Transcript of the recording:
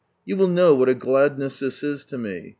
You will know what a gladness this is to me.